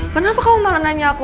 kenapa kamu malah nanya aku